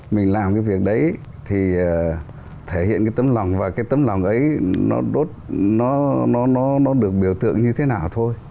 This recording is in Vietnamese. mình làm cái việc đấy thì thể hiện cái tấm lòng và cái tấm lòng ấy nó đốt nó được biểu tượng như thế nào thôi